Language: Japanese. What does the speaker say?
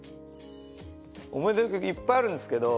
思い出の曲いっぱいあるんですけど。